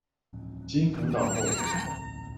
經輔導後